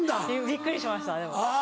びっくりしましたでも。